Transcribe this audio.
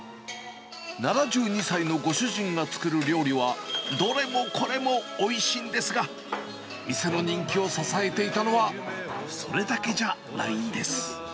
７２歳のご主人が作る料理は、どれもこれもおいしいんですが、店の人気を支えていたのは、それだけじゃないんです。